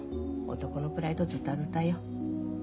男のプライドずたずたよ。